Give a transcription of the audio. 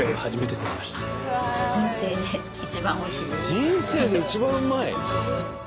「人生で一番うまい」！